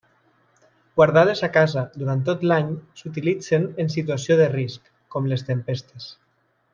Guardades a casa durant tot l'any, s'utilitzen en situació de risc, com les tempestes.